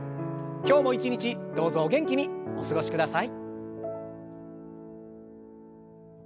今日も一日どうぞお元気にお過ごしください。